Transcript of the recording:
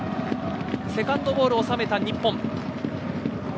セカンドボールを収めた日本。